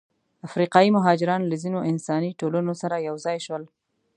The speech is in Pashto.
افریقایي مهاجران له ځینو انساني ټولنو سره یوځای شول.